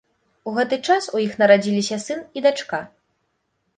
У гэты час у іх нарадзіліся сын і дачка.